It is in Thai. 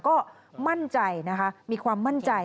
ก็มั่นใจนะคะมีความมั่นใจ